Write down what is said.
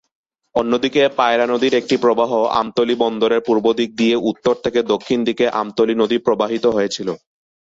অন্যদিকে, পায়রা নদীর একটি প্রবাহ আমতলী বন্দরের পূর্ব দিক দিয়ে উত্তর থেকে দক্ষিণ দিকে আমতলী নদী প্রবাহিত হয়েছিল।